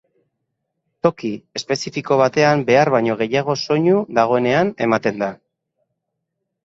Toki espezifiko batean behar baino gehiago soinu dagoenean ematen da.